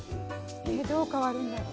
えどう変わるんだろう？